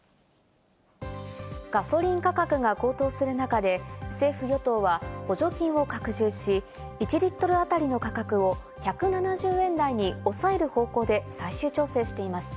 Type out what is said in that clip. ガソリン価格が高騰する中で、政府・与党は補助金を拡充し、１リットル当たりの価格を１７０円台に抑える方向で最終調整しています。